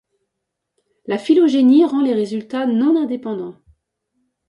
La phylogénie rend les résultats non indépendants.